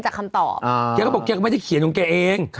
แกก็บอกแกก็ไม่ได้เขียนตรงแกเอง